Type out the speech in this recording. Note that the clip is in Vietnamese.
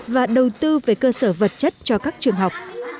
và đầu tư về cơ sở vật chất cho các trường học